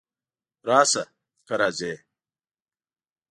راشه! که راځې!